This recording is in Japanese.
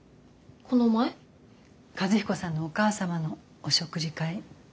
和彦さんのお母様のお食事会。